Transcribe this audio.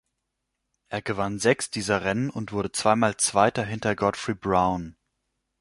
Er gewann sechs dieser Rennen und wurde zweimal Zweiter hinter Godfrey Brown.